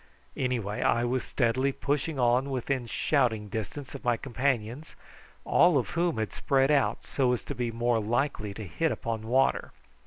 Anyhow I was steadily pushing on within shouting distance of my companions, all of whom had spread out so as to be more likely to hit upon water.